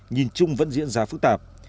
nhìn chung vẫn diễn ra phức tạp